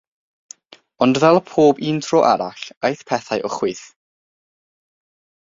Ond fel pob un tro arall, aeth pethau o chwith.